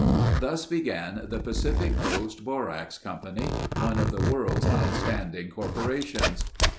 Thus began the Pacific Coast Borax Company, one of the world's outstanding corporations.